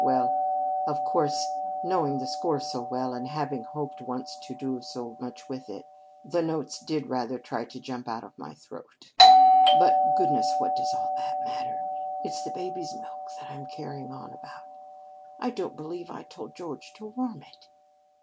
Well, of course, knowing the score so well, and having hoped once to do so much with it, the notes did rather try to jump out of my throat. But, goodness, what does all that matter? It's the baby's milk that I'm carrying on about. I don't believe I told George to warm it."